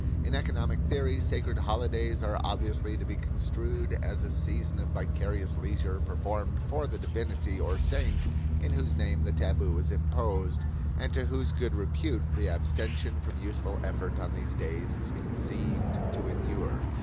In economic theory, sacred holidays are obviously to be construed as a season of vicarious leisure performed for the divinity or saint in whose name the tabu is imposed and to whose good repute the abstention from useful effort on these days is conceived to inure.